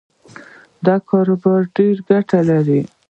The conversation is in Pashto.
دا کاروبار ډېره ګټه لري